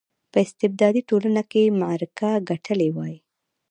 په استبدادي ټولنه کې معرکه ګټلې وای.